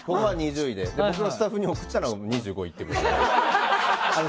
僕がスタッフに送ったのが２５位ってことで。